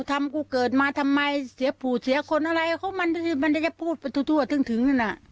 ทำกูเกิดมาทำไมเสียผู้เสียคนอะไรเขามันได้จะพูดไปทั่วถึงนั่นน่ะ